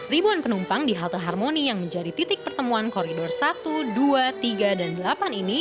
ribuan penumpang di halte harmoni yang menjadi titik pertemuan koridor satu dua tiga dan delapan ini